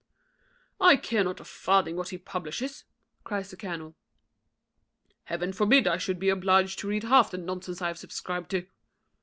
"I care not a farthing what he publishes," cries the colonel. "Heaven forbid I should be obliged to read half the nonsense I have subscribed to."